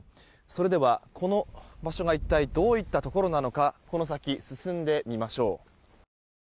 それでは、この場所が一体どういったところなのかこの先、進んでみましょう。